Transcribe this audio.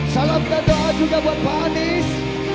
salamkan doa juga buat pak anies